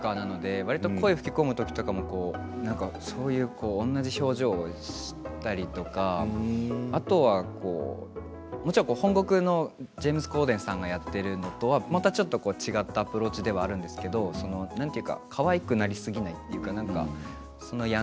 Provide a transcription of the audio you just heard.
本当に表情が豊かなのでわりと声を吹き込むとき同じ表情をしたりとかあとはもちろん本国のジェームズ・コーデンさんがやってるのとは違ったアプローチではあるんですがかわいくなりすぎないというか。